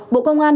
bộ công an